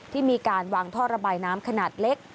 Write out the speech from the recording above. ที่มีการวางท่อระบายน้ำขนาดเล็ก